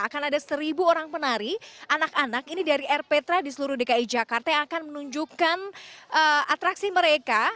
akan ada seribu orang penari anak anak ini dari rptra di seluruh dki jakarta yang akan menunjukkan atraksi mereka